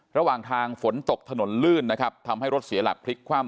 ระหว่างทางฝนตกถนนลื่นนะครับทำให้รถเสียหลักพลิกคว่ำ